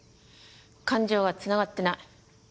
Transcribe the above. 感情がつながってない。